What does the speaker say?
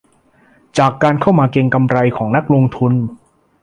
จากการเข้ามาเก็งกำไรของนักลงทุน